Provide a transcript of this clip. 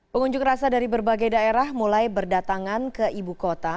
pengunjuk rasa dari berbagai daerah mulai berdatangan ke ibu kota